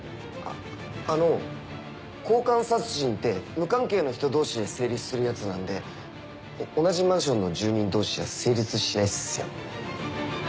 あの交換殺人って無関係の人同士で成立するやつなんで同じマンションの住人同士じゃ成立しないっすよ。